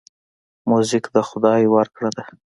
موزیک د خدای ورکړه ده.